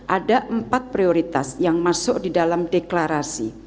ada empat prioritas yang masuk di dalam deklarasi